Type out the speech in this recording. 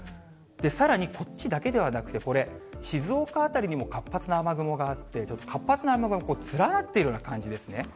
さらにこっちだけではなくて、これ、静岡辺りにも活発な雨雲があって、活発な雨雲が連なっているような感じですね。